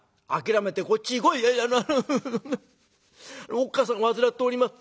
おっ母さん患っております。